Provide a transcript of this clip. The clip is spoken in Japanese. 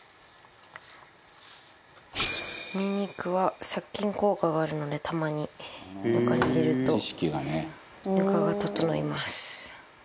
ニンニクは殺菌効果があるのでたまに、ぬかに入れるとぬかが整います。